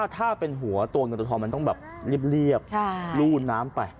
ถ้าเป็นหัวตัวเงินตัวทองมันต้องแบบเรียบรูดน้ำไป